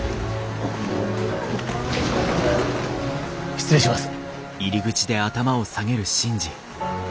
失礼します。